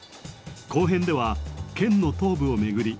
後編では県の東部を巡り